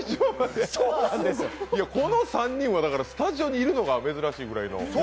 この３人はスタジオにいるのが珍しいぐらいの。